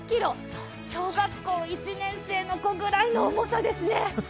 小学校１年生の子ぐらいの重さですね。